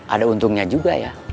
ada untungnya juga ya